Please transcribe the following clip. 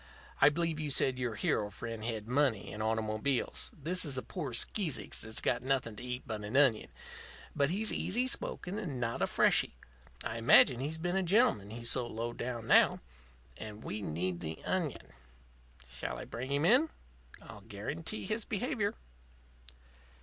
I believe you said your hero friend had money and automobiles. This is a poor skeezicks that's got nothing to eat but an onion. But he's easy spoken and not a freshy. I imagine he's been a gentleman, he's so low down now. And we need the onion. Shall I bring him in? I'll guarantee his behavior."